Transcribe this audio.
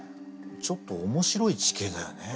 ちょっと面白い地形だよね。